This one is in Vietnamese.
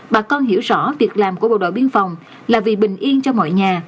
bà con hiểu rõ việc làm của bộ đội biên phòng là vì bình yên cho mọi nhà